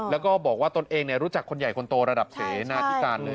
แล้วก็บอกว่าตนเองเรารู้จักคนใหญ่คนโตระดับเสรทีตอน